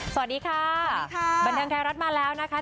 สวัสดีค่ะสวัสดีค่ะบันเทิงไทยรัฐมาแล้วนะคะ